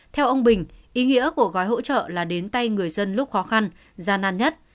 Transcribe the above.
theo ông bình ý nghĩa của gói hỗ trợ là đến tay người dân lúc khó khăn gian nan nhất